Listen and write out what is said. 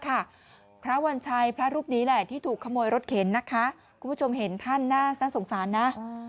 พระวัญชัยพระรูปนี้แหละที่ถูกขโมยรถเข็นนะคะคุณผู้ชมเห็นท่านน่าสงสารนะ